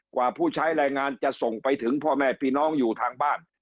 ผู้ใช้แรงงานจะส่งไปถึงพ่อแม่พี่น้องอยู่ทางบ้าน